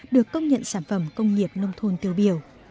được công nhận sản phẩm công nghiệp nông thôn tiêu biểu